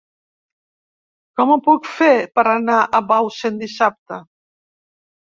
Com ho puc fer per anar a Bausen dissabte?